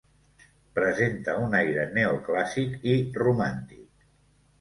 Presenta un aire neoclàssic i romàntic.